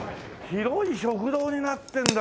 広い食堂になってんだ。